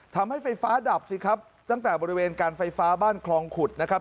ทำให้ไฟฟ้าดับสิครับตั้งแต่บริเวณการไฟฟ้าบ้านคลองขุดนะครับ